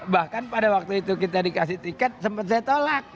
bahkan pada waktu itu kita dikasih tiket sempat saya tolak